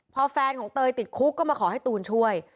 พอแฟนของเตยติดคุกก็มาขอให้ตูนช่วย